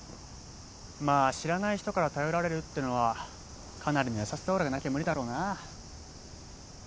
まあ知らない人から頼られるってのはかなりの優しさオーラがなきゃ無理だろうな。